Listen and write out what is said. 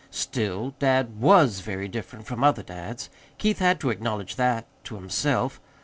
Still, dad WAS very different from other dads. Keith had to acknowledge that to himself.